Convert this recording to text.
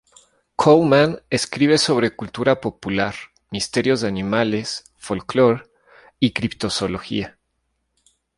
Coleman escribe sobre cultura popular, misterios de animales, folclore, y criptozoología.